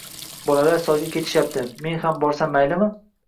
Bolalar soyga ketishyapti, men ham borsam maylimi